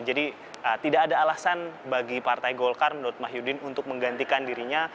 jadi tidak ada alasan bagi partai golkar menurut mahyudin untuk menggantikan dirinya